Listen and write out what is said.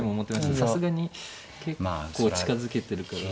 さすがに結構近づけてるから。